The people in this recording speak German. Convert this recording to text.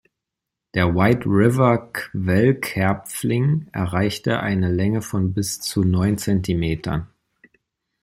Der White-River-Quellkärpfling erreicht eine Länge von bis zu neun Zentimetern.